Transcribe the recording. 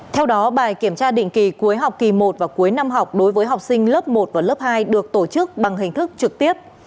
theo đó bài kiểm tra định kỳ cuối học kỳ một và cuối năm học đối với học sinh lớp một và lớp hai được tổ chức bằng hình thức trực tiếp